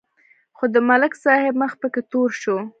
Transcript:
خو د ملک صاحب مخ پکې تور شو.